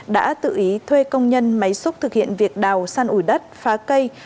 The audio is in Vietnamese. đã tự ý thuê công nhân máy xúc thực hiện việc đào săn ủi đất phá cây